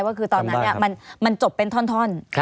ก็คือตอนนั้นมันจบเป็นท่อน